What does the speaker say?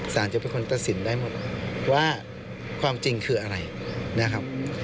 จะเป็นคนตัดสินได้หมดว่าความจริงคืออะไรนะครับ